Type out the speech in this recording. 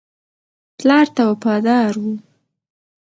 پلار ته وفادار وو.